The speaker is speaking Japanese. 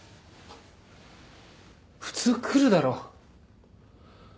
普通来るだろ。